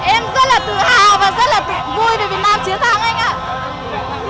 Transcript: em rất là tự hào và rất là vui vì việt nam chiến thắng anh ạ